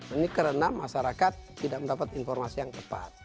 ini karena masyarakat tidak mendapat informasi yang tepat